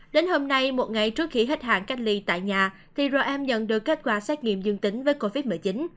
đến hôm nay một ngày trước khi hết hạn cách ly tại nhà thì ro em nhận được kết quả xét nghiệm dương tính với covid một mươi chín